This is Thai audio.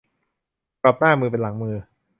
กลับหน้ามือเป็นหลังมือ